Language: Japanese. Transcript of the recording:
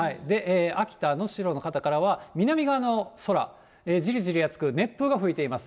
秋田・能代の方からは、南側の空、じりじり暑く、熱風が吹いています。